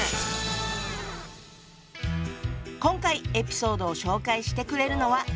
今回エピソードを紹介してくれるのは。